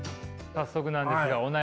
早速なんですがお悩みを。